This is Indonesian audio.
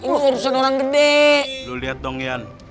lu urusan orang gede